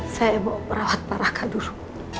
saya bawa perawat para akak dulu